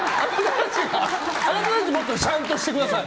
あなたたち、もっとしゃんとしてください。